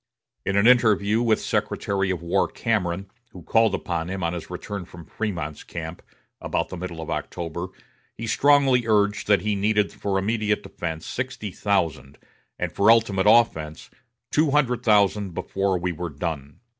In an interview with Secretary of War Cameron, who called upon him on his return from Frémont's camp, about the middle of October, he strongly urged that he needed for immediate defense sixty thousand, and for ultimate offense "two hundred thousand before we were done."